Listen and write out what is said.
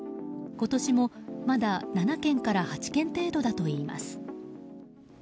今年もまだ７件から８件程度だといいます。